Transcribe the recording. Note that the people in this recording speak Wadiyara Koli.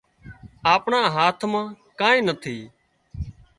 آپڻا هاٿ مان ڪانئين نٿي